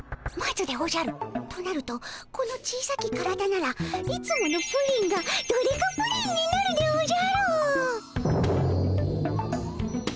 となるとこの小さき体ならいつものプリンがドデカプリンになるでおじゃる。